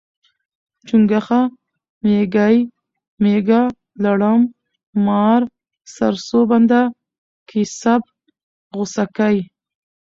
چونګښه، میږی، میږه، لړم، مار، سرسوبنده، کیسپ، غوسکی